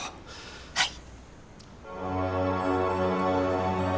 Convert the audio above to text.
はい。